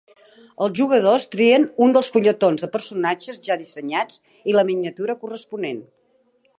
Els jugadors trien un dels fulletons de personatges ja dissenyats i la miniatura corresponent.